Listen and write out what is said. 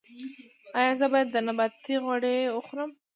ایا زه باید د نباتي غوړي وخورم؟